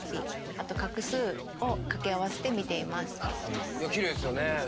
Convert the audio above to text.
あと画数を掛け合わせて見ています。